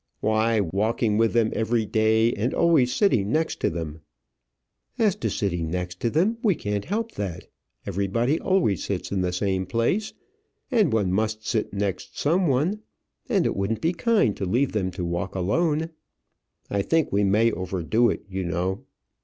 "Why, walking with them every day, and always sitting next to them." "As to sitting next to them, we can't help that. Everybody always sits in the same place, and one must sit next some one; and it wouldn't be kind to leave them to walk alone." "I think we may overdo it, you know."